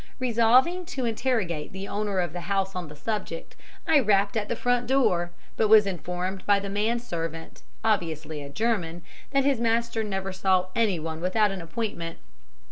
Resolving to interrogate the owner of the house on the subject, I rapped at the front door, but was informed by the manservant, obviously a German, that his master never saw anyone without an appointment.